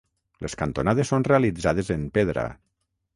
Les cantonades són realitzades en pedra.